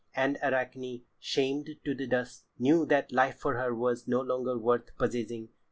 And Arachne, shamed to the dust, knew that life for her was no longer worth possessing.